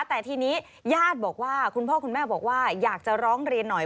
แต่ทีนี้ญาติบอกว่าคุณพ่อคุณแม่บอกว่าอยากจะร้องเรียนหน่อย